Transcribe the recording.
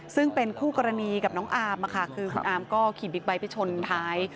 ซึ่งเป็นคู่กรณีกับน้องอาร์มคือคุณอาร์มก็ขี่บิ๊กไบท์ไปชนท้าย